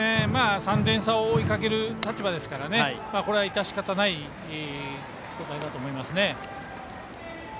３点差を追いかける立場ですからこれは、いたしかたない交代だと思いますね。